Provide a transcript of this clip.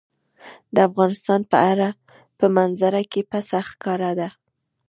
د افغانستان په منظره کې پسه ښکاره ده.